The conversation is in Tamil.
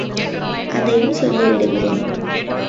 அதையும் சொல்லி விடுகிறேன்.